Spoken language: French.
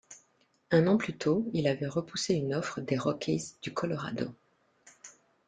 Un an plus tôt, il avait repoussé une offre des Rockies du Colorado.